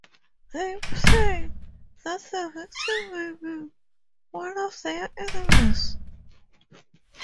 They pray that the victim may be one of their enemies.